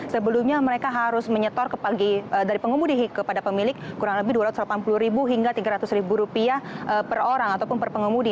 sebelumnya mereka harus menyetor dari pengemudi kepada pemilik kurang lebih dua ratus delapan puluh hingga rp tiga ratus per orang ataupun per pengemudi